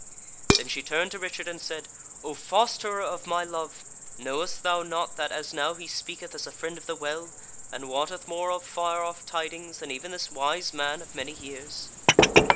Then she turned to Richard, and said: "O fosterer of my love, knowest thou not that as now he speaketh as a Friend of the Well, and wotteth more of far off tidings than even this wise man of many years?"